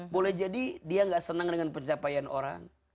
boleh jadi dia gak senang dengan pencapaian orang